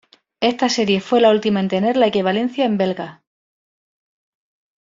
Esta serie fue la última en tener la equivalencia en belgas.